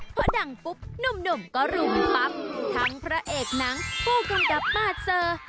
พอดังปุ๊บหนุ่มก็รุมปั๊บทั้งพระเอกหนังผู้กำกับมาเจอ